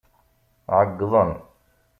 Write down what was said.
Ɛeggḍen.